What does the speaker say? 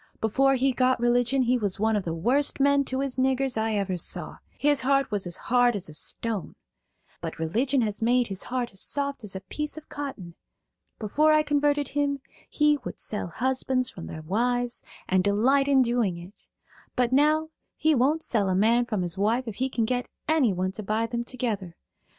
Before he got religion he was one of the worst men to his niggers I ever saw; his heart was as hard as a stone. But religion has made his heart as soft as a piece of cotton. Before I converted him he would sell husbands from their wives and delight in doing it; but now he won't sell a man from his wife if he can get anyone to buy them together.